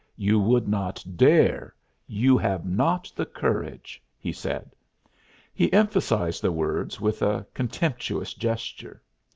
"You would not dare you have not the courage," he said. He emphasized the words with a contemptuous gesture.